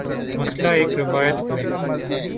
مثلا ایک روایت میں